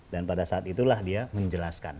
dan pada saat itulah dia menjelaskan